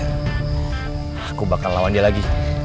aku bakal lawan dia lagi